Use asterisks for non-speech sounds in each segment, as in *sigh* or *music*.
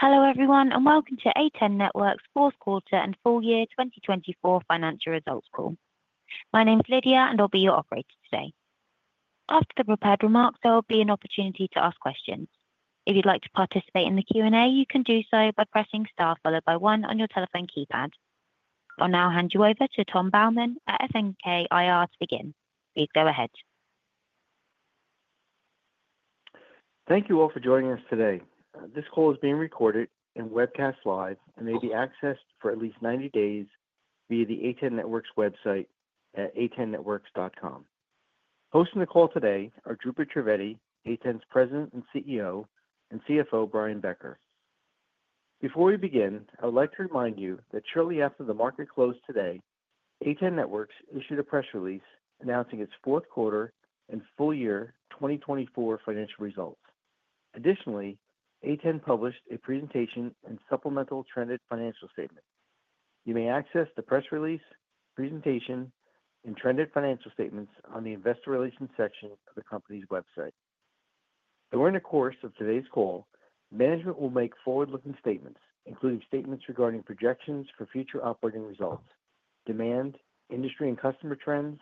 Hello everyone, and welcome to A10 Networks' Fourth Quarter and Full Year 2024 Financial Results Call. My name's Lydia, and I'll be your operator today. After the prepared remarks, there will be an opportunity to ask questions. If you'd like to participate in the Q&A, you can do so by pressing star followed by one on your telephone keypad. I'll now hand you over to Tom Baumann at FNK IR to begin. Please go ahead. Thank you all for joining us today. This call is being recorded and webcast live, and may be accessed for at least 90 days via the A10 Networks website at a10networks.com. Hosting the call today are Dhrupad Trivedi, A10's President and CEO, and CFO Brian Becker. Before we begin, I would like to remind you that shortly after the market closed today, A10 Networks issued a press release announcing its Fourth Quarter and Full Year 2024 Financial Results. Additionally, A10 published a presentation and supplemental trended financial statement. You may access the press release, presentation, and trended financial statements on the investor relations section of the company's website. During the course of today's call, management will make forward-looking statements, including statements regarding projections for future operating results, demand, industry and customer trends,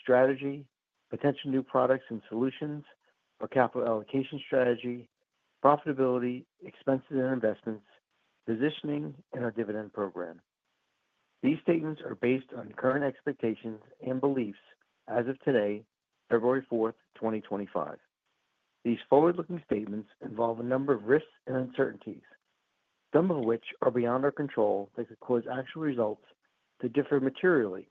strategy, potential new products and solutions, our capital allocation strategy, profitability, expenses and investments, positioning, and our dividend program. These statements are based on current expectations and beliefs as of today, February 4th, 2025. These forward-looking statements involve a number of risks and uncertainties, some of which are beyond our control that could cause actual results to differ materially,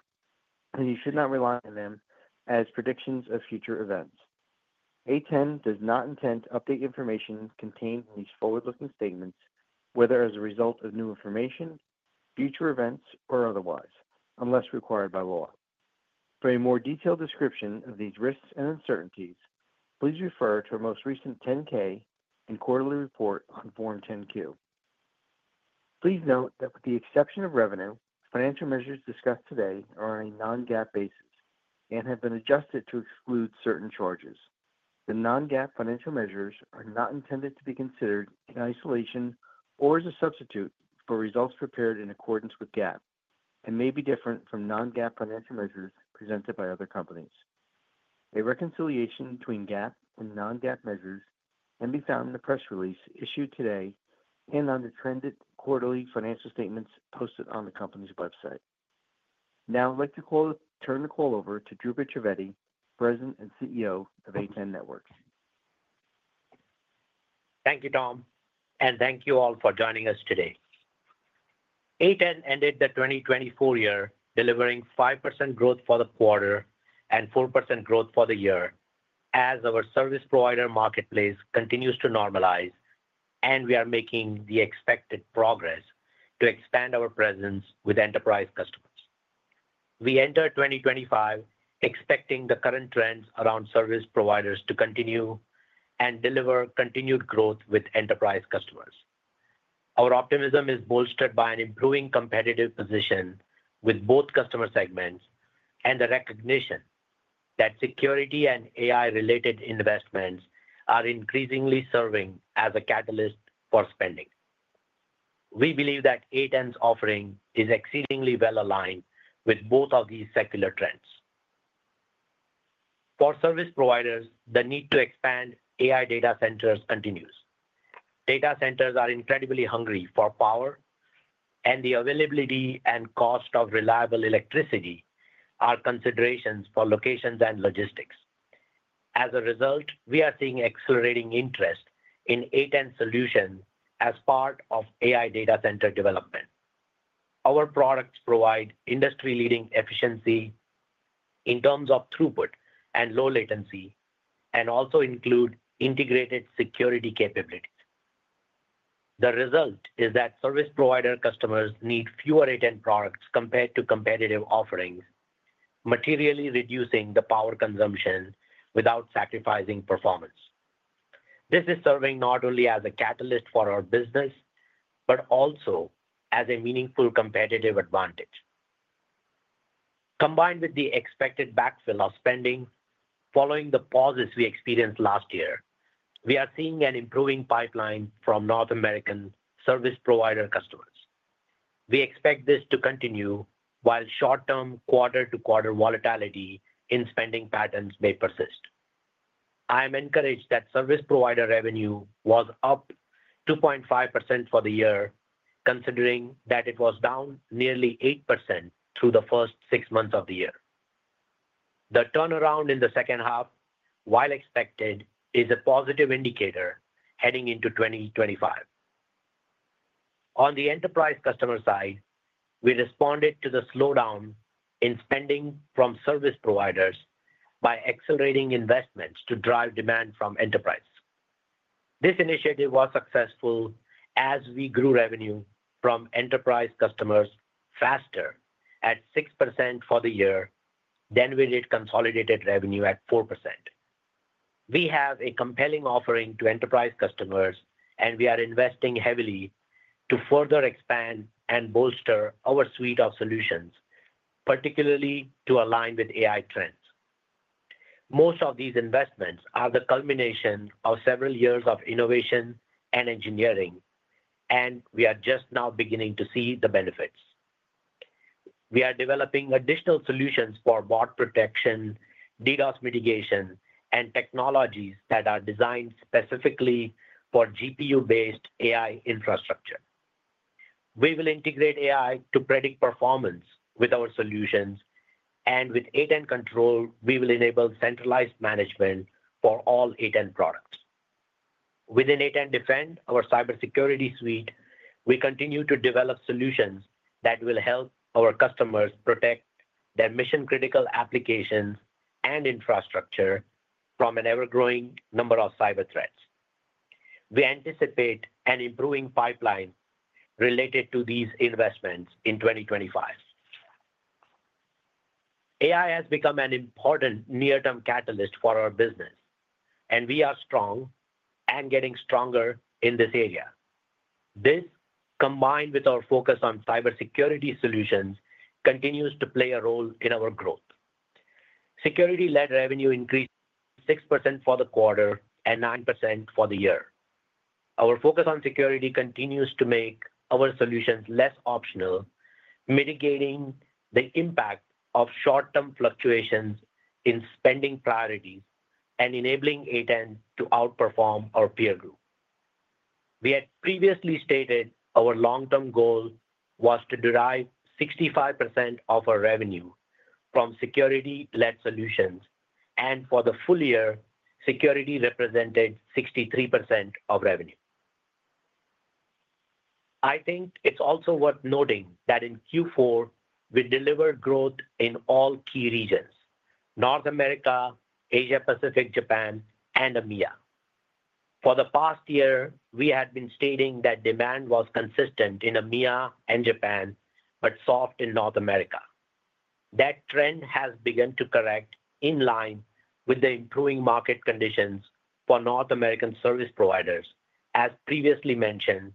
and you should not rely on them as predictions of future events. A10 does not intend to update information contained in these forward-looking statements, whether as a result of new information, future events, or otherwise, unless required by law. For a more detailed description of these risks and uncertainties, please refer to our most recent 10-K and quarterly report on Form 10-Q. Please note that with the exception of revenue, financial measures discussed today are on a Non-GAAP basis and have been adjusted to exclude certain charges. The Non-GAAP financial measures are not intended to be considered in isolation or as a substitute for results prepared in accordance with GAAP and may be different from Non-GAAP financial measures presented by other companies. A reconciliation between GAAP and Non-GAAP measures can be found in the press release issued today and on the trended quarterly financial statements posted on the company's website. Now I'd like to turn the call over to Dhrupad Trivedi, President and CEO of A10 Networks. Thank you, Tom, and thank you all for joining us today. A10 ended the 2024 year delivering 5% growth for the quarter and 4% growth for the year as our service provider marketplace continues to normalize, and we are making the expected progress to expand our presence with enterprise customers. We enter 2025 expecting the current trends around service providers to continue and deliver continued growth with enterprise customers. Our optimism is bolstered by an improving competitive position with both customer segments and the recognition that security and AI-related investments are increasingly serving as a catalyst for spending. We believe that A10's offering is exceedingly well aligned with both of these secular trends. For service providers, the need to expand AI data centers continues. Data centers are incredibly hungry for power, and the availability and cost of reliable electricity are considerations for locations and logistics. As a result, we are seeing accelerating interest in A10 solutions as part of AI data center development. Our products provide industry-leading efficiency in terms of throughput and low latency, and also include integrated security capabilities. The result is that service provider customers need fewer A10 products compared to competitive offerings, materially reducing the power consumption without sacrificing performance. This is serving not only as a catalyst for our business, but also as a meaningful competitive advantage. Combined with the expected backfill of spending, following the pauses we experienced last year, we are seeing an improving pipeline from North American service provider customers. We expect this to continue while short-term quarter-to-quarter volatility in spending patterns may persist. I am encouraged that service provider revenue was up 2.5% for the year, considering that it was down nearly 8% through the first six months of the year. The turnaround in the second half, while expected, is a positive indicator heading into 2025. On the enterprise customer side, we responded to the slowdown in spending from service providers by accelerating investments to drive demand from enterprise. This initiative was successful as we grew revenue from enterprise customers faster at 6% for the year than we did consolidated revenue at 4%. We have a compelling offering to enterprise customers, and we are investing heavily to further expand and bolster our suite of solutions, particularly to align with AI trends. Most of these investments are the culmination of several years of innovation and engineering, and we are just now beginning to see the benefits. We are developing additional solutions for bot protection, DDoS mitigation, and technologies that are designed specifically for GPU-based AI infrastructure. We will integrate AI to predict performance with our solutions, and with A10 Control, we will enable centralized management for all A10 products. Within A10 Defend, our cybersecurity suite, we continue to develop solutions that will help our customers protect their mission-critical applications and infrastructure from an ever-growing number of cyber threats. We anticipate an improving pipeline related to these investments in 2025. AI has become an important near-term catalyst for our business, and we are strong and getting stronger in this area. This, combined with our focus on cybersecurity solutions, continues to play a role in our growth. Security-led revenue increased 6% for the quarter and 9% for the year. Our focus on security continues to make our solutions less optional, mitigating the impact of short-term fluctuations in spending priorities and enabling A10 to outperform our peer group. We had previously stated our long-term goal was to derive 65% of our revenue from security-led solutions, and for the full year, security represented 63% of revenue. I think it's also worth noting that in Q4, we delivered growth in all key regions: North America, Asia-Pacific, Japan, and EMEA. For the past year, we had been stating that demand was consistent in EMEA and Japan, but soft in North America. That trend has begun to correct in line with the improving market conditions for North American service providers, as previously mentioned,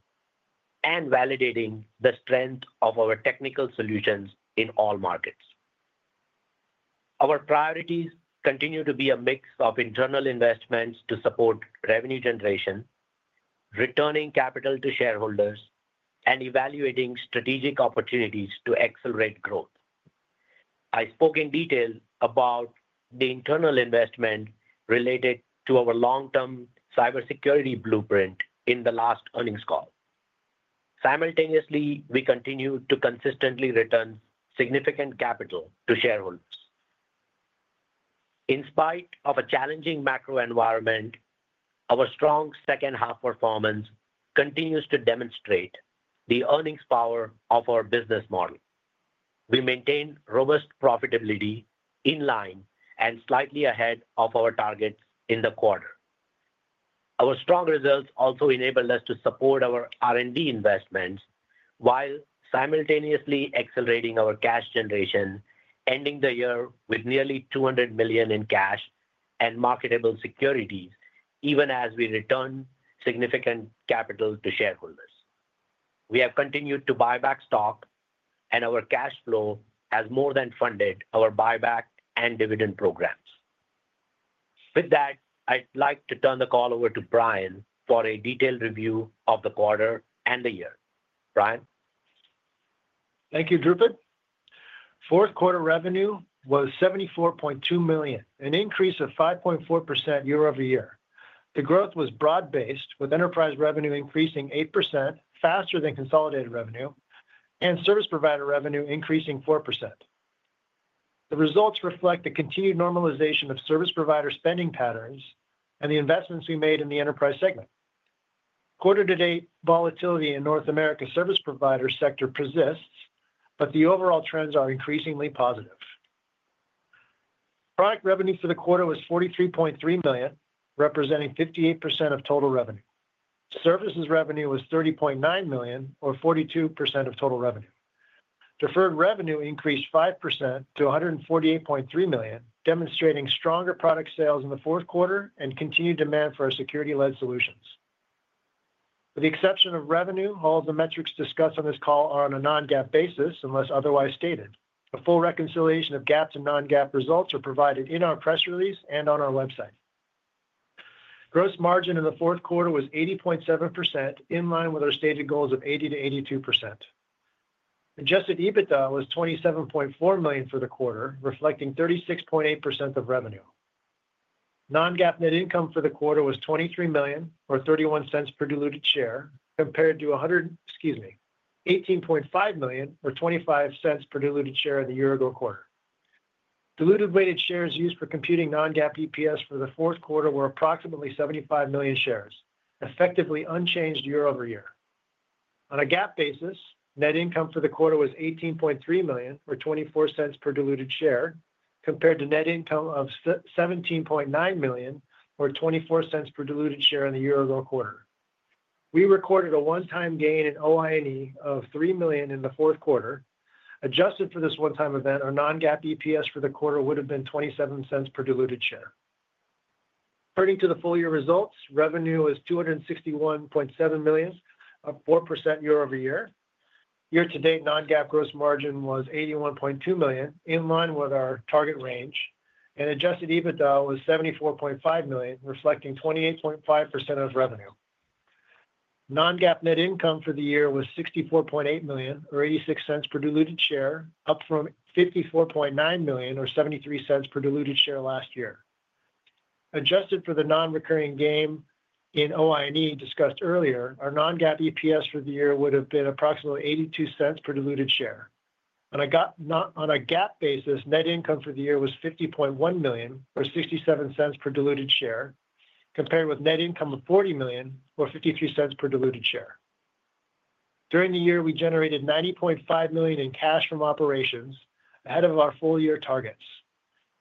and validating the strength of our technical solutions in all markets. Our priorities continue to be a mix of internal investments to support revenue generation, returning capital to shareholders, and evaluating strategic opportunities to accelerate growth. I spoke in detail about the internal investment related to our long-term cybersecurity blueprint in the last earnings call. Simultaneously, we continue to consistently return significant capital to shareholders. In spite of a challenging macro environment, our strong second half performance continues to demonstrate the earnings power of our business model. We maintain robust profitability in line and slightly ahead of our targets in the quarter. Our strong results also enabled us to support our R&D investments while simultaneously accelerating our cash generation, ending the year with nearly $200 million in cash and marketable securities, even as we return significant capital to shareholders. We have continued to buy back stock, and our cash flow has more than funded our buyback and dividend programs. With that, I'd like to turn the call over to Brian for a detailed review of the quarter and the year. Brian? Thank you, Dhrupad. Fourth quarter revenue was $74.2 million, an increase of 5.4% year-over-year. The growth was broad-based, with enterprise revenue increasing 8%, faster than consolidated revenue, and service provider revenue increasing 4%. The results reflect the continued normalization of service provider spending patterns and the investments we made in the enterprise segment. Quarter-to-date volatility in North America's service provider sector persists, but the overall trends are increasingly positive. Product revenue for the quarter was $43.3 million, representing 58% of total revenue. Services revenue was $30.9 million, or 42% of total revenue. Deferred revenue increased 5% to $148.3 million, demonstrating stronger product sales in the fourth quarter and continued demand for our security-led solutions. With the exception of revenue, all of the metrics discussed on this call are on a Non-GAAP basis unless otherwise stated. A full reconciliation of GAAP to Non-GAAP results are provided in our press release and on our website. Gross margin in the fourth quarter was 80.7%, in line with our stated goals of 80%-82%. Adjusted EBITDA was $27.4 million for the quarter, reflecting 36.8% of revenue. Non-GAAP net income for the quarter was $23 million or $0.31 per diluted share, compared to $18.5 million or $0.25 per diluted share in the year-ago quarter. Diluted weighted shares used for computing Non-GAAP EPS for the fourth quarter were approximately 75 million shares, effectively unchanged year-over-year. On a GAAP basis, net income for the quarter was $18.3 million or $0.24 per diluted share, compared to net income of $17.9 million or $0.24 per diluted share in the year-ago quarter. We recorded a one-time gain in OI&E of $3 million in the fourth quarter. Adjusted for this one-time event, our Non-GAAP EPS for the quarter would have been $0.27 per diluted share. Turning to the full-year results, revenue was $261.7 million or 4% year over year. Year-to-date Non-GAAP gross margin was $81.2 million, in line with our target range, and adjusted EBITDA was $74.5 million, reflecting 28.5% of revenue. Non-GAAP net income for the year was $64.8 million or $0.86 per diluted share, up from $54.9 million or $0.73 per diluted share last year. Adjusted for the non-recurring gain in OI&E discussed earlier, our Non-GAAP EPS for the year would have been approximately $0.82 per diluted share. On a GAAP basis, net income for the year was $50.1 million or $0.67 per diluted share, compared with net income of $40 million or $0.53 per diluted share. During the year, we generated $90.5 million in cash from operations ahead of our full-year targets.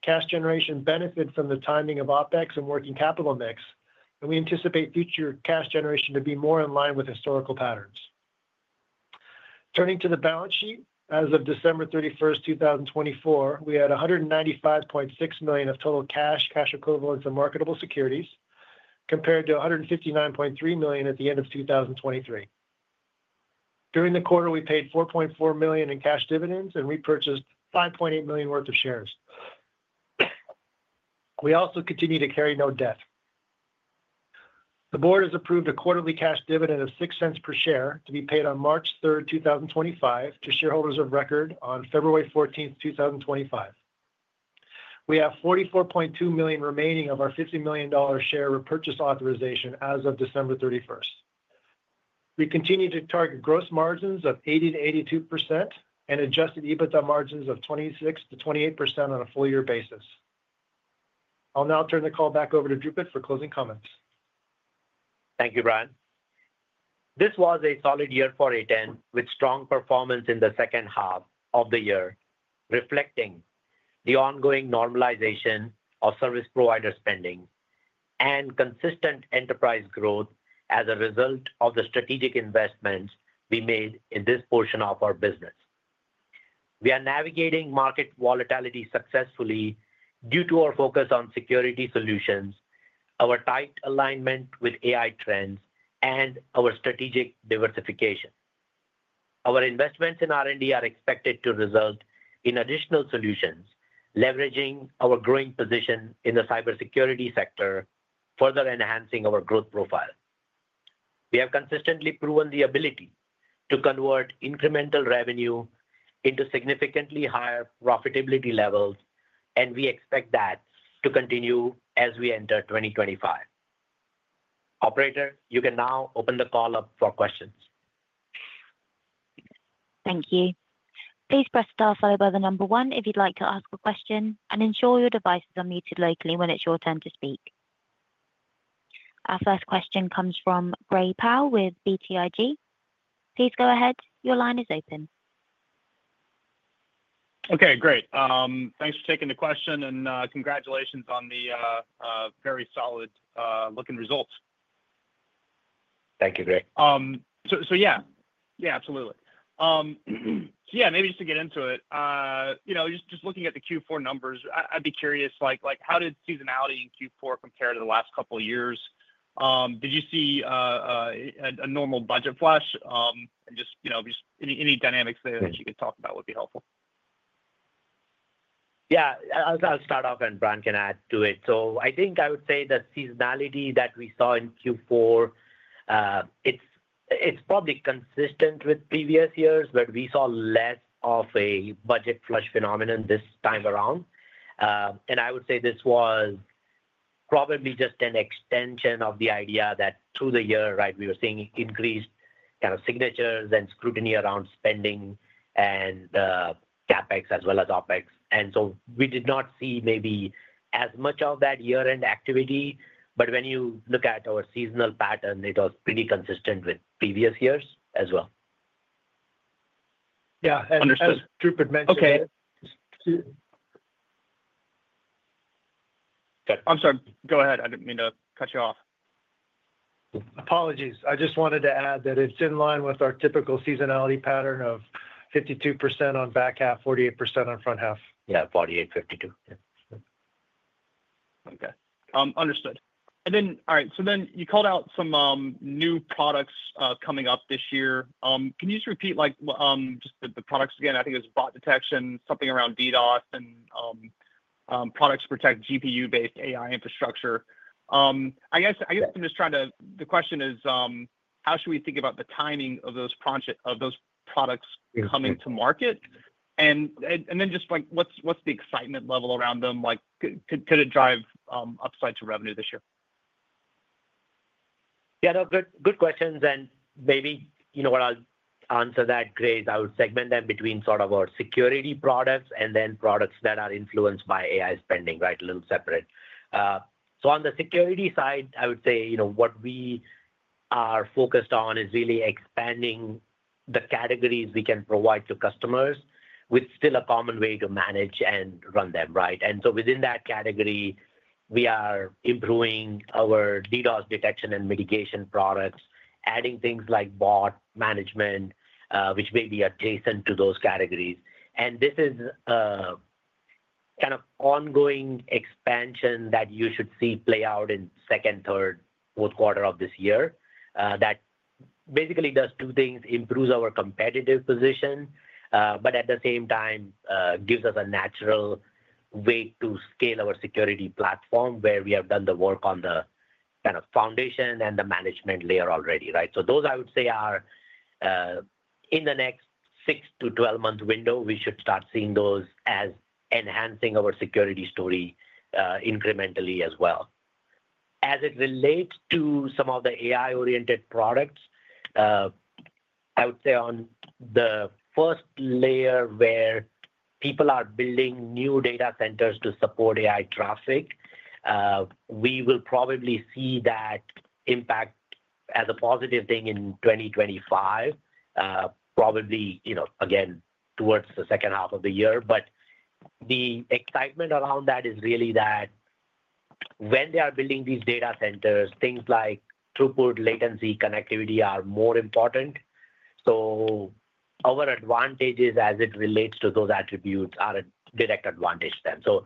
Cash generation benefited from the timing of OPEX and working capital mix, and we anticipate future cash generation to be more in line with historical patterns. Turning to the balance sheet, as of December 31st, 2024, we had $195.6 million of total cash, cash equivalents, and marketable securities, compared to $159.3 million at the end of 2023. During the quarter, we paid $4.4 million in cash dividends and repurchased $5.8 million worth of shares. We also continue to carry no debt. The board has approved a quarterly cash dividend of $0.06 per share to be paid on March 3rd, 2025, to shareholders of record on February 14th, 2025. We have $44.2 million remaining of our $50 million share repurchase authorization as of December 31st. We continue to target gross margins of 80%-82% and adjusted EBITDA margins of 26%-28% on a full-year basis. I'll now turn the call back over to Dhrupad for closing comments. Thank you, Brian. This was a solid year for A10, with strong performance in the second half of the year, reflecting the ongoing normalization of service provider spending and consistent enterprise growth as a result of the strategic investments we made in this portion of our business. We are navigating market volatility successfully due to our focus on security solutions, our tight alignment with AI trends, and our strategic diversification. Our investments in R&D are expected to result in additional solutions, leveraging our growing position in the cybersecurity sector, further enhancing our growth profile. We have consistently proven the ability to convert incremental revenue into significantly higher profitability levels, and we expect that to continue as we enter 2025. Operator, you can now open the call up for questions. Thank you. Please press star followed by the number one if you'd like to ask a question, and ensure your device is unmuted locally when it's your turn to speak. Our first question comes from Gray Powell with BTIG. Please go ahead. Your line is open. Okay, great. Thanks for taking the question, and congratulations on the very solid-looking results. Thank you, Gray. So, yeah. Yeah, absolutely. So, yeah, maybe just to get into it, just looking at the Q4 numbers, I'd be curious. How did seasonality in Q4 compare to the last couple of years? Did you see a normal budget flush? And just you know any dynamics there that you could talk about would be helpful. Yeah, I'll start off, and Brian can add to it. So, I think I would say the seasonality that we saw in Q4. It's probably consistent with previous years, but we saw less of a budget flush phenomenon this time around. And I would say this was probably just an extension of the idea that through the year, right, we were seeing increased kind of signatures and scrutiny around spending and CAPEX as well as OPEX. And so, we did not see maybe as much of that year-end activity, but when you look at our seasonal pattern, it was pretty consistent with previous years as well. Yeah, as Dhrupad mentioned. Okay. I'm sorry. Go ahead. I didn't mean to cut you off. Apologies. I just wanted to add that it's in line with our typical seasonality pattern of 52% on back half, 48% on front half. Yeah, 48, 52. Okay. Understood. And then, all right, so then you called out some new products coming up this year. Can you just repeat just the products again? I think it was bot detection, something around DDoS, and products to protect GPU-based AI infrastructure. I guess I'm just trying to, the question is, how should we think about the timing of those products coming to market? And then just what's the excitement level around them? Could it drive upside to revenue this year? Yeah, no, good questions, and maybe you know what? I'll answer that, Gray. I would segment them between sort of our security products and then products that are influenced by AI spending, right, a little separate, so on the security side, I would say what we are focused on is really expanding the categories we can provide to customers with still a common way to manage and run them, right? And so within that category, we are improving our DDoS detection and mitigation products, adding things like bot management, which may be adjacent to those categories. And this is a kind of ongoing expansion that you should see play out in second, third, fourth quarter of this year. That basically does two things: improves our competitive position, but at the same time, gives us a natural way to scale our security platform where we have done the work on the kind of foundation and the management layer already, right? So, those I would say are in the next six to 12 month window, we should start seeing those as enhancing our security story incrementally as well. As it relates to some of the AI-oriented products, I would say on the first layer where people are building new data centers to support AI traffic, we will probably see that impact as a positive thing in 2025, probably again towards the second half of the year. But the excitement around that is really that when they are building these data centers, things like throughput, latency, connectivity are more important. So, our advantages as it relates to those attributes are a direct advantage to them. So,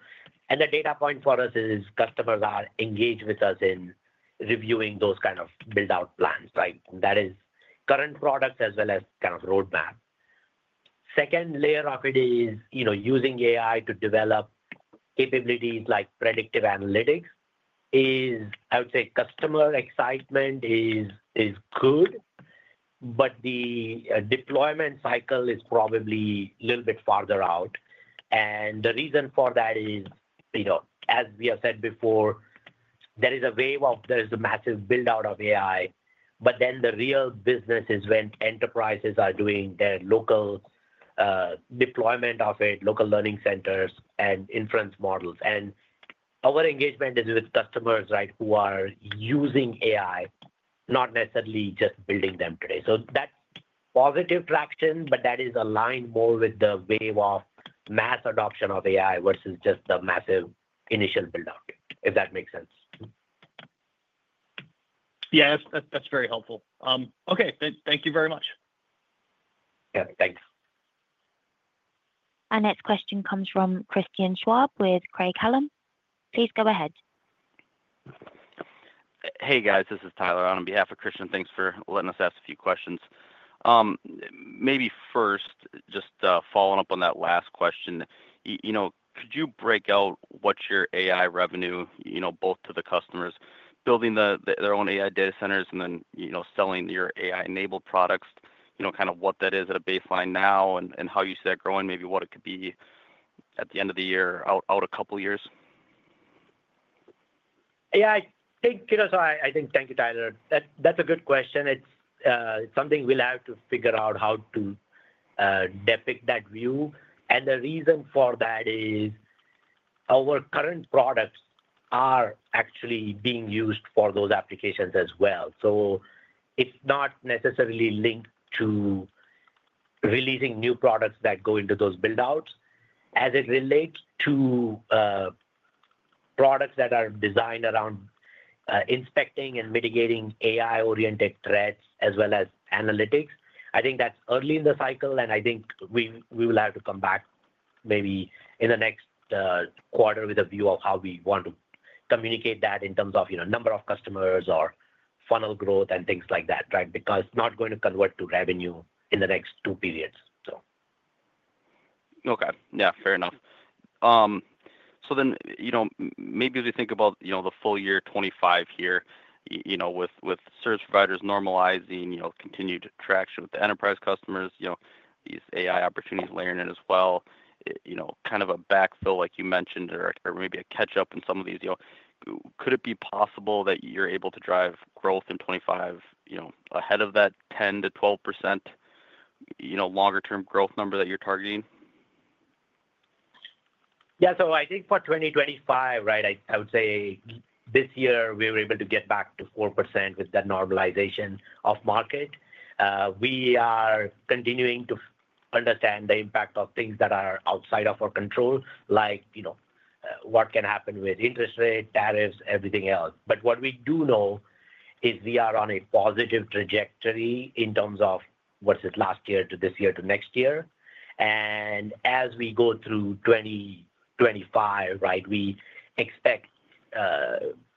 and the data point for us is customers are engaged with us in reviewing those kind of build-out plans, right? That is current products as well as kind of roadmap. Second layer of it is using AI to develop capabilities like predictive analytics. I would say, customer excitement is good, but the deployment cycle is probably a little bit farther out. And the reason for that is, as we have said before, there is a wave of a massive build-out of AI, but then the real business is when enterprises are doing their local deployment of it, local learning centers and inference models. And our engagement is with customers, right, who are using AI, not necessarily just building them today. So, that's positive traction, but that is aligned more with the wave of mass adoption of AI versus just the massive initial build-out, if that makes sense. Yeah, that's very helpful. Okay, thank you very much. Yeah, thanks. Our next question comes from Christian Schwab with Craig-Hallum. Please go ahead. Hey, guys, this is Tyler on behalf of Christian. Thanks for letting us ask a few questions. Maybe first, just following up on that last question, could you break out what's your AI revenue, both to the customers, building their own AI data centers, and then selling your AI-enabled products, kind of what that is at a baseline now, and how you see that growing, maybe what it could be at the end of the year, out a couple of years? Yeah, I think, thank you, Tyler. That's a good question. It's something we'll have to figure out how to depict that view. And the reason for that is our current products are actually being used for those applications as well. So, it's not necessarily linked to releasing new products that go into those build-outs. As it relates to products that are designed around inspecting and mitigating AI-oriented threats as well as analytics, I think that's early in the cycle, and I think we will have to come back maybe in the next quarter with a view of how we want to communicate that in terms of number of customers or funnel growth and things like that, right? Because it's not going to convert to revenue in the next two periods, so. Okay. Yeah, fair enough. So then maybe as we think about the full year 2025 here with service providers normalizing, you know continued traction with the enterprise customers, you know these AI opportunities layer in it as well, you know kind of a backfill, like you mentioned, or maybe a catch-up in some of these, could it be possible that you're able to drive growth in 2025 ahead of that 10%-12% longer-term growth number that you're targeting? Yeah, so I think for 2025, right, I would say this year we were able to get back to 4% with that normalization of market. We are continuing to understand the impact of things that are outside of our control, like you know what can happen with interest rates, tariffs, everything else. But what we do know is we are on a positive trajectory in terms of versus last year to this year to next year. And as we go through 2025, right, we expect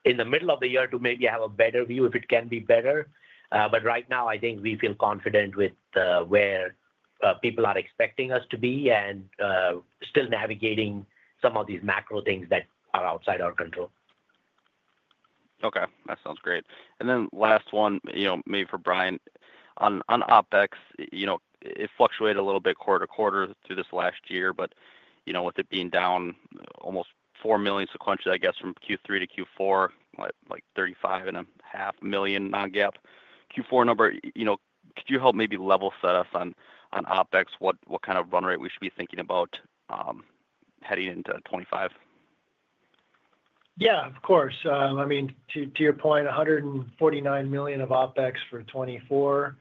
in the middle of the year to maybe have a better view if it can be better. But right now, I think we feel confident with where people are expecting us to be and still navigating some of these macro things that are outside our control. Okay, that sounds great. And then last one, maybe for Brian, on OPEX, you know it fluctuated a little bit quarter to quarter through this last year, but you know with it being down almost $4 million sequentially, I guess, from Q3 to Q4, like $35.5 million Non-GAAP. Q4 number, could you help maybe level set us on OPEX, what kind of run rate we should be thinking about heading into 2025? Yeah, of course. I mean, to your point, $149 million of OpEx for 2024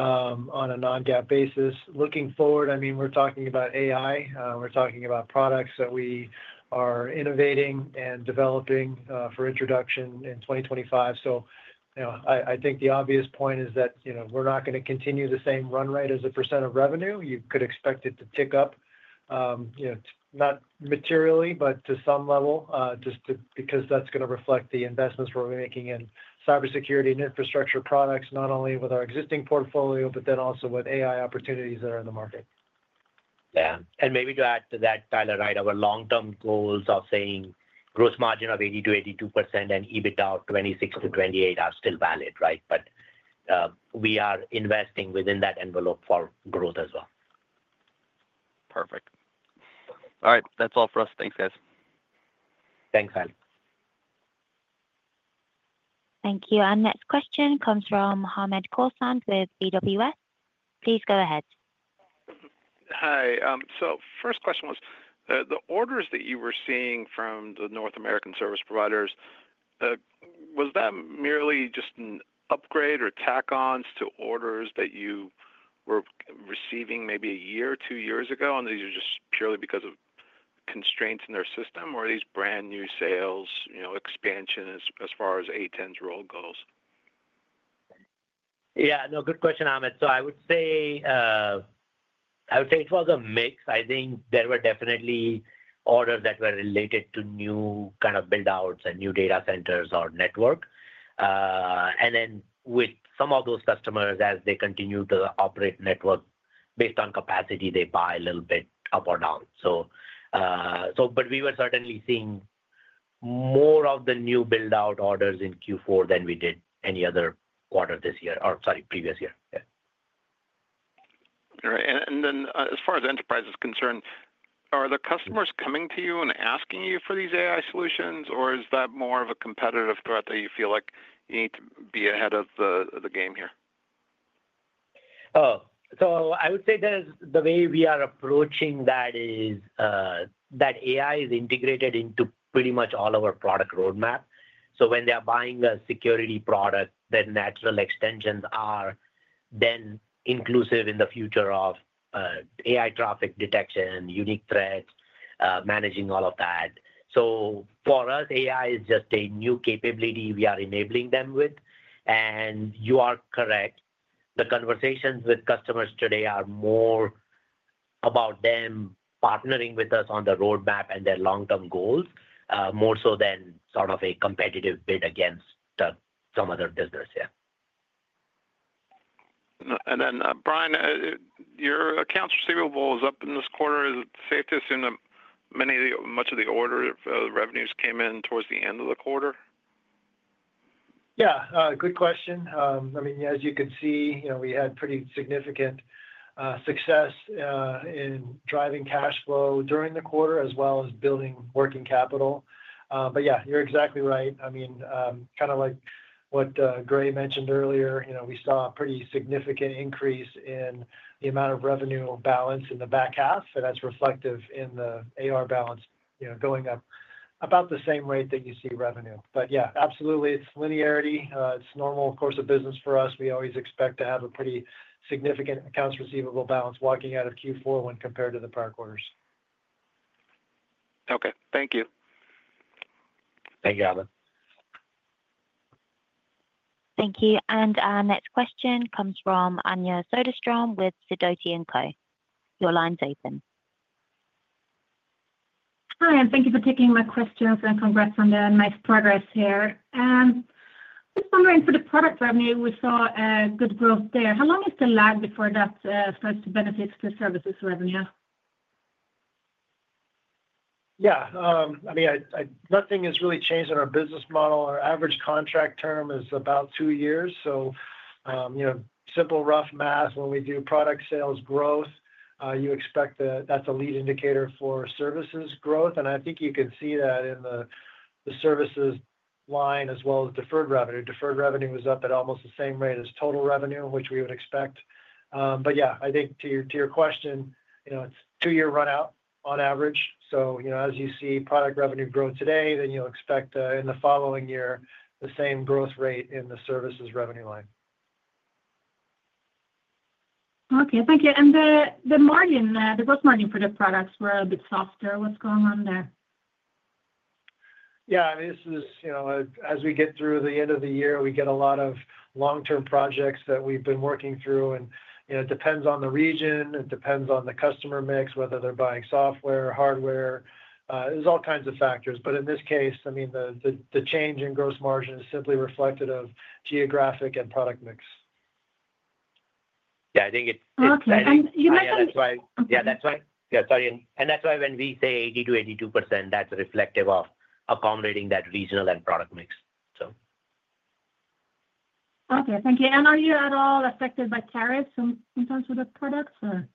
on a Non-GAAP basis. Looking forward, I mean, we're talking about AI. We're talking about products that we are innovating and developing for introduction in 2025. So, I think the obvious point is that we're not going to continue the same run rate as a % of revenue. You could expect it to tick up, not materially, but to some level, just because that's going to reflect the investments we're making in cybersecurity and infrastructure products, not only with our existing portfolio, but then also with AI opportunities that are in the market. Yeah, and maybe to add to that, Tyler, right, our long-term goals of saying gross margin of 80%-82% and EBITDA of 26%-28% are still valid, right, but we are investing within that envelope for growth as well. Perfect. All right, that's all for us. Thanks, guys. Thanks, guys. Thank you. Our next question comes from Hamed Khorsand with BWS. Please go ahead. Hi. So, first question was, the orders that you were seeing from the North American service providers, was that merely just an upgrade or tack-ons to orders that you were receiving maybe a year or two years ago? And these are just purely because of constraints in their system, or are these brand new sales expansion as far as A10's role goes? Yeah, no, good question, Hamed. So, I would say it was a mix. I think there were definitely orders that were related to new kind of build-outs and new data centers or network. And then with some of those customers, as they continue to operate network based on capacity, they buy a little bit up or down. So, but we were certainly seeing more of the new build-out orders in Q4 than we did any other quarter this year, or sorry, previous year. Yeah. All right. And then as far as enterprise is concerned, are the customers coming to you and asking you for these AI solutions, or is that more of a competitive threat that you feel like you need to be ahead of the game here? Oh, so I would say that the way we are approaching that is that AI is integrated into pretty much all of our product roadmap. So, when they are buying a security product, their natural extensions are then inclusive in the future of AI traffic detection, unique threats, managing all of that. So, for us, AI is just a new capability we are enabling them with. And you are correct. The conversations with customers today are more about them partnering with us on the roadmap and their long-term goals, more so than sort of a competitive bid against some other business, yeah. And then Brian, your accounts receivable is up in this quarter. Is it safe to assume that much of the order revenues came in toward the end of the quarter? Yeah, good question. I mean, as you can see, we had pretty significant success in driving cash flow during the quarter as well as building working capital. But yeah, you're exactly right. I mean, kind of like what Gray mentioned earlier, we saw a pretty significant increase in the amount of revenue balance in the back half, and that's reflective in the AR balance going up about the same rate that you see revenue. But yeah, absolutely, it's linearity. It's normal, of course, of business for us. We always expect to have a pretty significant accounts receivable balance walking out of Q4 when compared to the prior quarters. Okay, thank you. Thank you, Hamed. Thank you. And our next question comes from Anja Soderstrom with Sidoti & Company. Your line's open. Hi, and thank you for taking my questions. And congrats on the nice progress here. And just wondering, for the product revenue, we saw good growth there. How long is the lag before that starts to benefit the services revenue? Yeah, I mean, nothing has really changed in our business model. Our average contract term is about two years. So, simple, rough math, when we do product sales growth, you expect that that's a lead indicator for services growth. And I think you can see that in the services line as well as deferred revenue. Deferred revenue was up at almost the same rate as total revenue, which we would expect. But yeah, I think to your question, it's two-year run-out on average. So, as you see product revenue grow today, then you'll expect in the following year the same growth rate in the services revenue line. Okay, thank you. And the margin, the gross margin for the products were a bit softer. What's going on there? Yeah, I mean, this is as we get through the end of the year, we get a lot of long-term projects that we've been working through. And it depends on the region. It depends on the customer mix, whether they're buying software, hardware. There's all kinds of factors. But in this case, I mean, the change in gross margin is simply reflective of geographic and product mix. Yeah, I think it's. Okay, and you mentioned. Yeah, that's why. Yeah, sorry, and that's why when we say 80%-82%, that's reflective of accommodating that regional and product mix, so. Okay, thank you. And are you at all affected by tariffs sometimes with the products, or?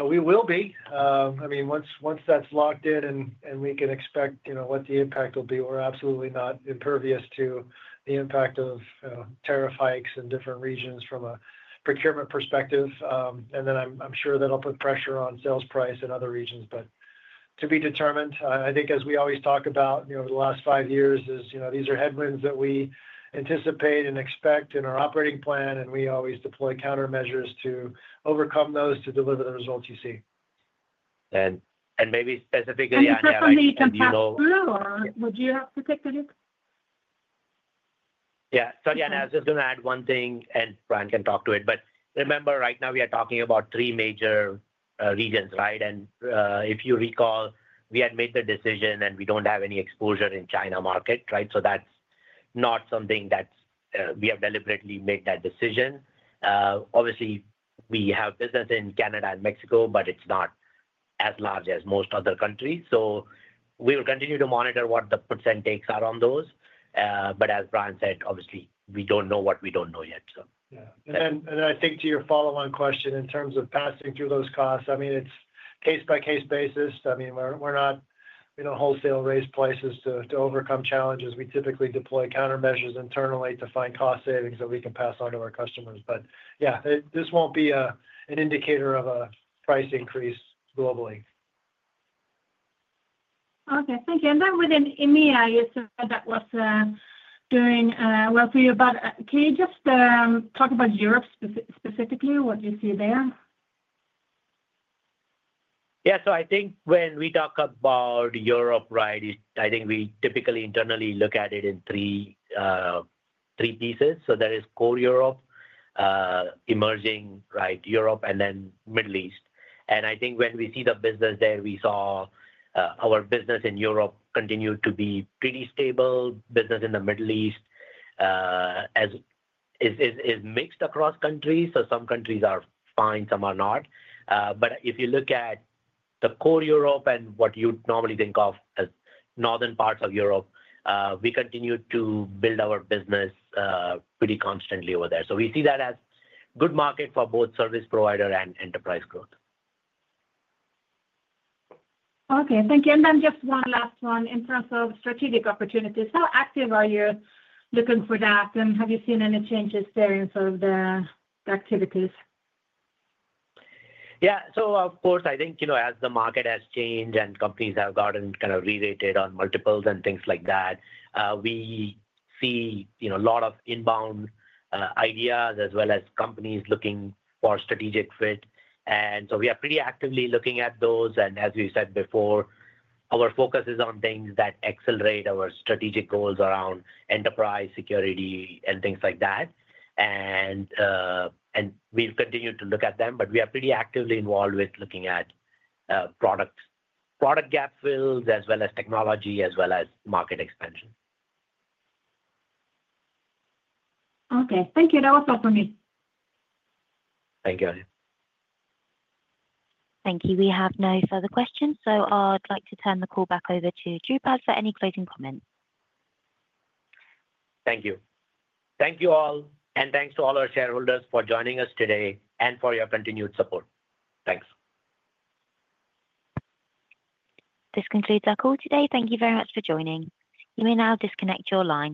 We will be. I mean, once that's locked in and we can expect what the impact will be, we're absolutely not impervious to the impact of tariff hikes in different regions from a procurement perspective. And then I'm sure that'll put pressure on sales price in other regions, but to be determined. I think as we always talk about over the last five years, these are headwinds that we anticipate and expect in our operating plan, and we always deploy countermeasures to overcome those to deliver the results you see. Maybe specifically on. *crosstalk* So many companies grow, would you have to take the risk? Yeah. Sorry, I was just going to add one thing, and Brian can talk to it. But remember, right now we are talking about three major regions, right? And if you recall, we had made the decision and we don't have any exposure in China market, right? So that's not something that we have deliberately made that decision. Obviously, we have business in Canada and Mexico, but it's not as large as most other countries. So we will continue to monitor what the percent takes are on those. But as Brian said, obviously, we don't know what we don't know yet, so. Yeah. And I think to your follow-on question in terms of passing through those costs, I mean, it's case-by-case basis. I mean, we're not wholesale raising prices to overcome challenges. We typically deploy countermeasures internally to find cost savings that we can pass on to our customers. But yeah, this won't be an indicator of a price increase globally. Okay, thank you. And then within EMEA, you said that was doing well for you. But can you just talk about Europe specifically, what you see there? Yeah, so I think when we talk about Europe, right, I think we typically internally look at it in three pieces. So there is core Europe, emerging, right Europe, and then Middle East. And I think when we see the business there, we saw our business in Europe continue to be pretty stable. Business in the Middle East is mixed across countries. So some countries are fine, some are not. But if you look at the core Europe and what you'd normally think of as northern parts of Europe, we continue to build our business pretty constantly over there. So we see that as a good market for both service provider and enterprise growth. Okay, thank you. And then just one last one in terms of strategic opportunities. How active are you looking for that? And have you seen any changes there in sort of the activities? Yeah, so of course, I think as the market has changed and companies have gotten kind of re-rated on multiples and things like that, we see a lot of inbound ideas as well as companies looking for strategic fit. And so we are pretty actively looking at those. And as we said before, our focus is on things that accelerate our strategic goals around enterprise security and things like that. And we've continued to look at them, but we are pretty actively involved with looking at product gap fills as well as technology as well as market expansion. Okay, thank you. That was all for me. Thank you. Thank you. We have no further questions. So I'd like to turn the call back over to Dhrupad for any closing comments. Thank you. Thank you all, and thanks to all our shareholders for joining us today and for your continued support. Thanks. This concludes our call today. Thank you very much for joining. You may now disconnect your line.